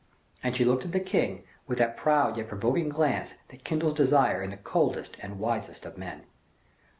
And she looked at the king with that proud yet provoking glance that kindles desire in the coldest and wisest of men.